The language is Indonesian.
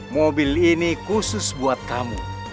mobil ini khusus buat kamu